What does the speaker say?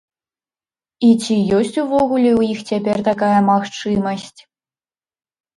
І ці ёсць увогуле у іх цяпер такая магчымасць?